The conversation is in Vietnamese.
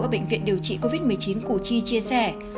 ở bệnh viện điều trị covid một mươi chín củ chi chia sẻ